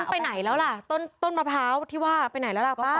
ไปไหนแล้วล่ะต้นมะพร้าวที่ว่าไปไหนแล้วล่ะป้า